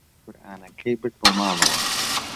قورئانەکەی برد بۆ ماڵەوە.